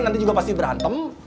nanti juga pasti berantem